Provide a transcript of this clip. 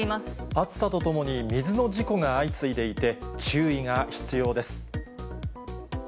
暑さとともに水の事故が相次いでいて、注意が必要です。